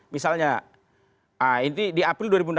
misalnya ini di april dua ribu enam belas